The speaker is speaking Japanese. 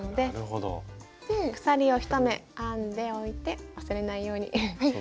鎖を１目編んでおいて忘れないように。